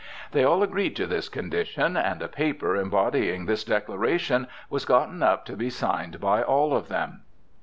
They all agreed to this condition, and a paper embodying this declaration was gotten up to be signed by all of them.